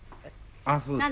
あそうですか。